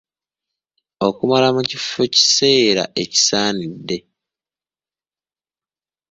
Okumala mu kifo kiseera ekisaanidde.